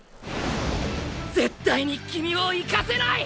絶対にキミを行かせない！！